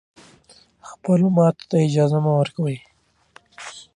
خپلو ماتو ته دا اجازه مه ورکوی